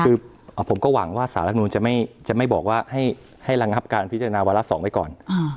คือผมก็หวังว่าสารรัฐนูลจะไม่บอกว่าให้ระงับการพิจารณาวาระ๒ไว้ก่อน